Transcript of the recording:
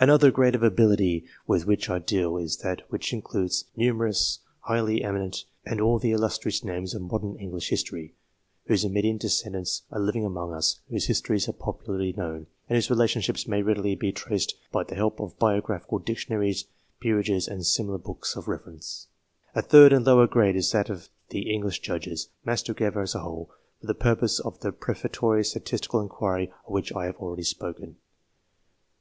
Another grade of ability with which I deal is that which includes numerous highly eminent, and all the illustrious names of modern English history, whose immediate de scendants are living among us, whose histories are popularly known, and whose relationships may readily be traced by INTRODUCTORY CHAPTER the help of biographical dictionaries, peerages, and similar books of reference. A third and lower grade is that of the English Judges, massed together as a whole, for the purpose of the pre fatory statistical inquiry of which I have already spoken.